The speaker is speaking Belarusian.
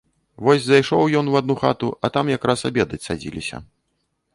Вось зайшоў ён у адну хату, а там якраз абедаць садзіліся.